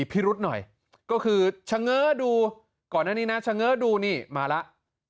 พิรุธหน่อยก็คือชะเง้อดูก่อนหน้านี้นะเฉง้อดูนี่มาแล้ว